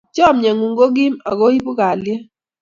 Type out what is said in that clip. Chamyengung ko kim ak ko ipu kaliet